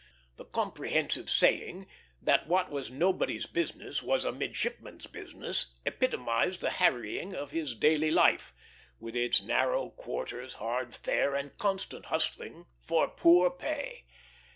The comprehensive saying that what was nobody's business was a midshipman's business epitomized the harrying of his daily life, with its narrow quarters, hard fare, and constant hustling for poor pay.